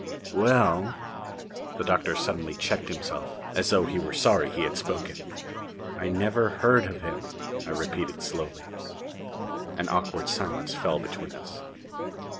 "Well " The doctor suddenly checked himself, as though he were sorry he had spoken. "I never heard of him," I repeated slowly. An awkward silence fell between us.